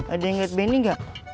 ada yang liat beni gak